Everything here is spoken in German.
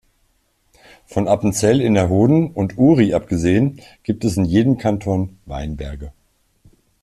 Von Appenzell Innerrhoden und Uri abgesehen, gibt es in jedem Kanton Weinberge.